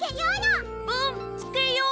うんつけよう！